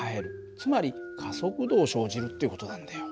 つまり加速度を生じるっていう事なんだよ。